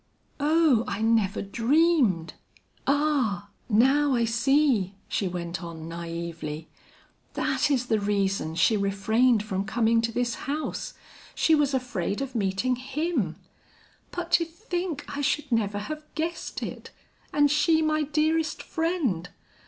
"Oh, I never dreamed ah, now I see," she went on naively. "That is the reason she refrained from coming to this house; she was afraid of meeting him. But to think I should never have guessed it, and she my dearest friend!